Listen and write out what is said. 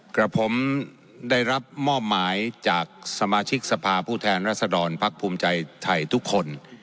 กับผมได้รับมอบหมายจากสมาชิกสภาผู้แทนรัศดรพักภูมิใจไทยทุกคน